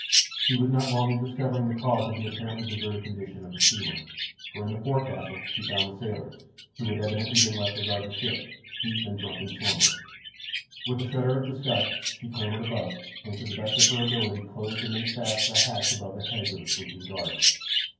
She was not long in discovering the cause of the apparently deserted condition of the steamer, for in the forecastle she found the sailors, who had evidently been left to guard the ship, deep in drunken slumber. With a shudder of disgust she clambered above, and to the best of her ability closed and made fast the hatch above the heads of the sleeping guard.